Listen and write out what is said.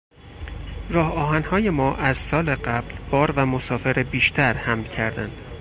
راهآهنهای ما از سال قبل بار و مسافر بیشتر حمل کردند.